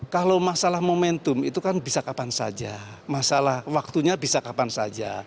kalau masalah momentum itu kan bisa kapan saja masalah waktunya bisa kapan saja